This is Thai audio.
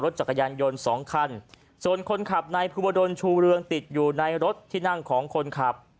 รถจักรยานยนต์๒คันจนคนขับในพุมดลชูเรืองติดอยู่ในรถที่นั่งของคนขับ